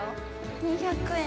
◆２００円。